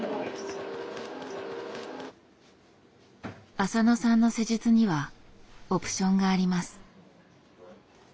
浅野さんの施術にはオプションがあります。